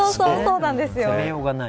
責めようがない。